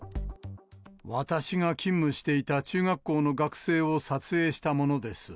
私が勤務していた中学校の学生を撮影したものです。